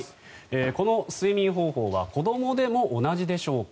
この睡眠方法は子どもでも同じでしょうか？